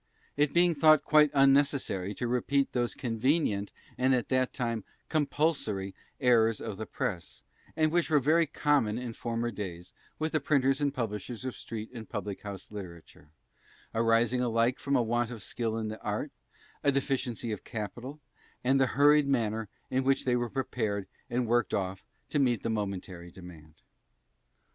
it being thought quite unnecessary to repeat these convenient and at that time compulsory "Errors of the Press" and which were very common in former days with the printers and publishers of street and public house literature; arising alike from a want of skill in the art, a deficiency of capital, and the hurried manner in which they were prepared and worked off to meet the momentary demand.